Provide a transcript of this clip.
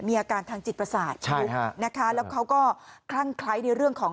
มีอาการทางจิตประสาทนะคะแล้วเขาก็คลั่งคล้ายในเรื่องของ